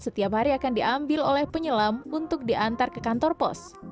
setiap hari akan diambil oleh penyelam untuk diantar ke kantor pos